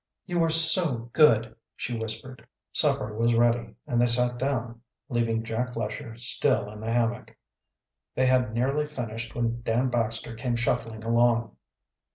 "You are so good!" she whispered. Supper was ready, and they sat down, leaving Jack Lesher still in the hammock. They had nearly finished when Dan Baxter came shuffling along.